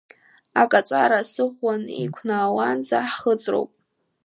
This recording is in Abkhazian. Акаҵәара асы ӷәӷәаны иқәнауаанӡа ҳхыҵроуп.